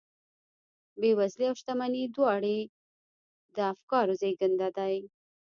بېوزلي او شتمني دواړې د افکارو زېږنده دي.